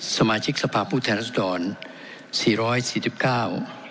สมาชิกสภาพุทธแหละสุดรสี่ร้อยสิบเก้า